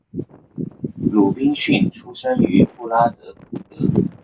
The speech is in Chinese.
鲁宾逊出生于布拉德福德。